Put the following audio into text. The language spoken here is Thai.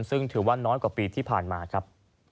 ซึ่งถือว่าน้อยกว่าปีที่ผ่านมาครับ